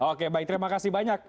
oke baik terima kasih banyak